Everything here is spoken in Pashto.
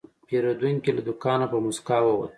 پیرودونکی له دوکانه په موسکا ووت.